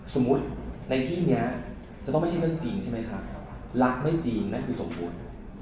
สมมุติในที่นี้จะต้องไม่ใช่เรื่องจริงใช่ไหมครับรักไม่จริงนั่นคือสมบูรณ์